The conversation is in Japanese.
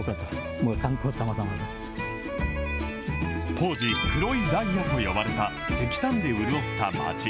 当時、黒いダイヤと呼ばれた石炭で潤った町。